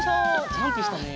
ジャンプしたね。